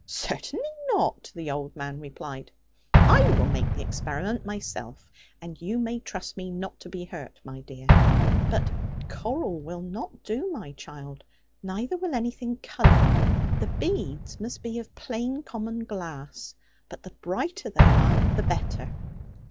'Certainly not,' the old man replied; 'I will make the experiment myself; and you may trust me not to be hurt, my dear. But coral will not do, my child, neither will anything coloured. The beads must be of plain common glass; but the brighter they are the better.'